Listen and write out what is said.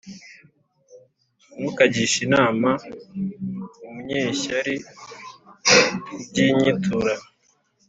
ntukagishe inama umunyeshyari ku by’inyiturano,